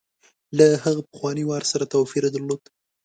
له هغه پخواني وار سره توپیر درلود.